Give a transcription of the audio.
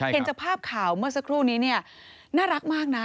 เห็นจากภาพข่าวเมื่อสักครู่นี้เนี่ยน่ารักมากนะ